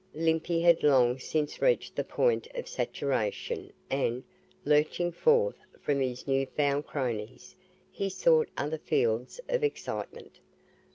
Limpy had long since reached the point of saturation and, lurching forth from his new found cronies, he sought other fields of excitement.